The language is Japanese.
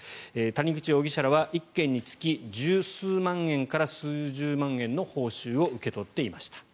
谷口容疑者らは１件につき１０数万円から数十万円の報酬を受け取っていました。